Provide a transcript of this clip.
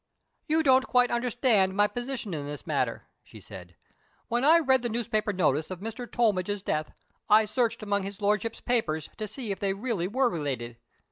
"You don't quite understand my position in this matter," she said. "When I read the newspaper notice of Mr. Tollmidge's death, I searched among his Lordship's papers to see if they really were related.